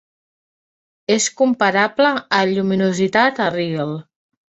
És comparable en lluminositat a Rigel.